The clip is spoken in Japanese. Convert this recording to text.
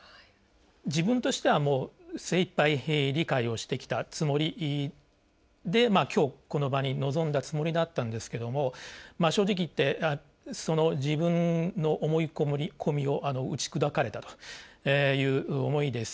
自分としては、精いっぱい理解をしてきたつもりで今日、この場に臨んだつもりだったんですけども正直言って、その自分の思い込みを打ち砕かれたという思いです。